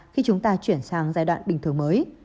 khi chúng ta chuyển sang giai đoạn bình thường mới